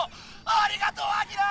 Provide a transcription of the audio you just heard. ありがとうアキラ！